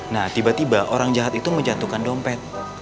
nah tiba tiba orang jahat itu menjatuhkan dompet